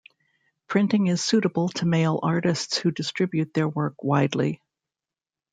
Printing is suited to mail artists who distribute their work widely.